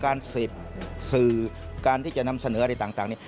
การสืบสื่อการที่จะนำเสนออะไรต่างนี้